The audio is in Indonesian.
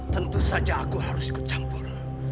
tentu saja aku harus kucampur